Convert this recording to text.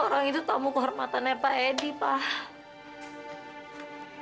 orang itu tamu kehormatannya pak edi pak